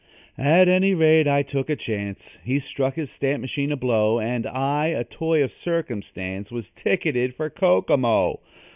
At any rate, I took a chance; He struck his stamp machine a blow And I, a toy of circumstance, Was ticketed for Kokomo.